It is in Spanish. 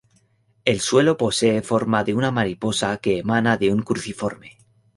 El suelo posee forma de una mariposa que emana de un cruciforme.